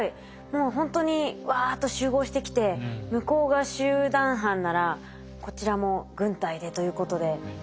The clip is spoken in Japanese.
もうほんとにわっと集合してきて向こうが集団犯ならこちらも軍隊でということで。